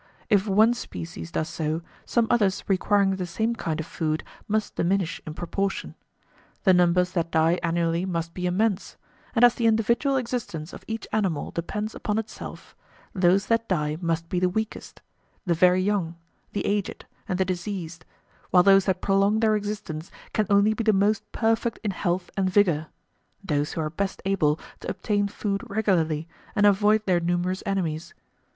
If one species does so, some others requiring the same kind of food must diminish in proportion. The numbers that die annually must be immense; and as the individual existence of each animal depends upon itself, those that die must be the weakest the very young, the aged, and the diseased, while those that prolong their existence can only be the most perfect in health and vigour those who are best able to obtain food regularly, and avoid their numerous enemies.